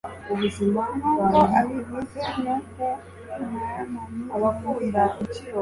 nk uko abivuze nuko naamani yumvira